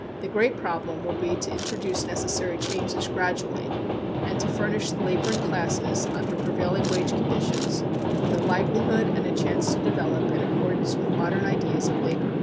The great problem will be to introduce necessary changes gradually, and to furnish the laboring classes, under prevailing wage conditions, with a livelihood and a chance to develop in accordance with modern ideas of labor.